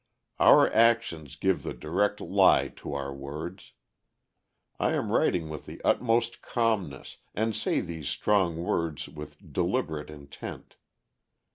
Our actions give the direct lie to our words. I am writing with the utmost calmness, and say these strong words with deliberate intent.